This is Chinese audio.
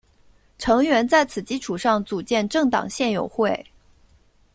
成员在此基础上组建政党宪友会。